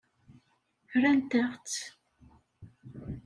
Rrant-aɣ-tt.